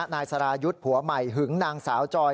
นายสรายุทธ์ผัวใหม่หึงนางสาวจอย